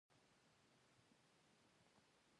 د څه په اړه چې خبرې کوې پکې پوهه لرل،